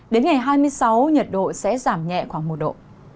đến ngày hai mươi sáu nhiệt độ sẽ giảm nhẹ khoảng một độ